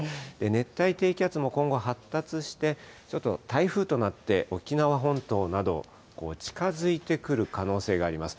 熱帯低気圧も今後、発達して、ちょっと台風となって、沖縄本島など、近づいてくる可能性があります。